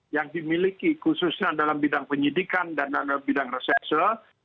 yang dimiliki khususnya dalam bidang penyidikan dan bidang reses